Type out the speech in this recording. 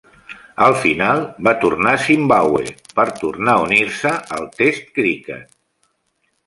Al final, va tornar a Zimbabwe per tornar a unir-se al test criquet.